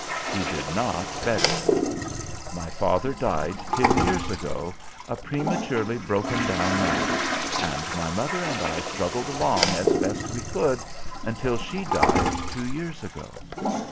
He did not better it. My father died ten years ago, a prematurely broken down man, and my mother and I struggled along as best we could until she died two years ago.